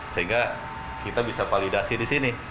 sehingga kita bisa validasi di sini